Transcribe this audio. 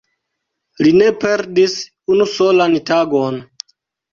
li ne perdis unu solan tagon!